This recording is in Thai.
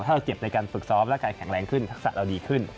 ถ้าเราเจ็บในการฝึกซ้อมร่างกายแข็งแรงขึ้นทักษะเราดีขึ้น